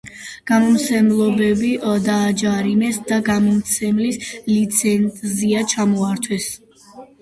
გამომცემლები დააჯარიმეს და გამომცემლის ლიცენზია ჩამოართვეს.